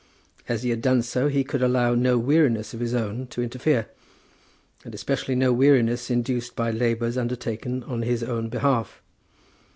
As he had done so he could allow no weariness of his own to interfere, and especially no weariness induced by labours undertaken on his own behalf.